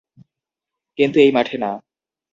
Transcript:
কিন্তু এই মাঠে না।